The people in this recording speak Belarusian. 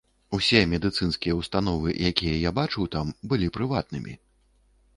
Усе медыцынскія ўстановы, якія я бачыў там, былі прыватнымі.